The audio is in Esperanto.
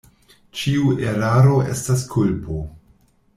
Ĉiu eraro estas kulpo.